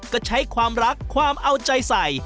ก็ใช้ความรักความเอาใจใส่